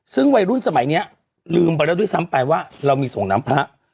ซึ่งวัยรุ่นสมัยนี้ลืมไปแล้วด้วยซ้ำไปว่าเรามีส่งน้ำพระ